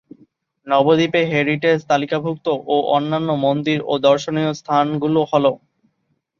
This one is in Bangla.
নবদ্বীপের হেরিটেজ তালিকাভুক্ত ও অন্যান্য মন্দির ও দর্শনীয় স্থানগুলো হলো-